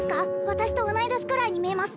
私と同い年ぐらいに見えます